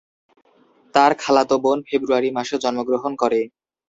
তার খালাতো বোন ফেব্রুয়ারি মাসে জন্মগ্রহণ করে।